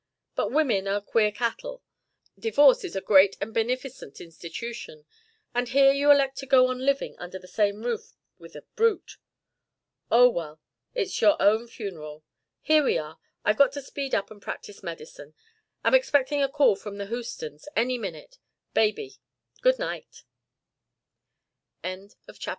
But women are queer cattle. Divorce is a great and beneficent institution, and here you elect to go on living under the same roof with a brute Oh, well, it's your own funeral. Here we are. I've got to speed up and practise medicine. Am expecting a call from out at Houston's any minute. Baby. Good night." CHAPTER VI Mrs. Balfame let herself into the dark house.